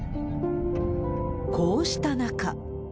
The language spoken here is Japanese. こうした中。